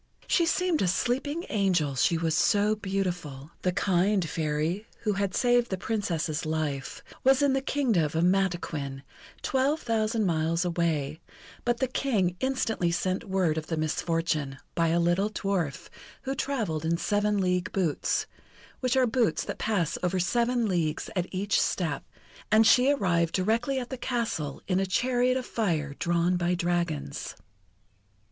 She seemed a sleeping angel, she was so beautiful. The kind Fairy, who had saved the Princess's life, was in the Kingdom of Mataquin, twelve thousand miles away, but the King instantly sent word of the misfortune, by a little dwarf, who travelled in seven league boots which are boots that pass over seven leagues at each step and she arrived directly at the castle, in a chariot of fire drawn by dragons.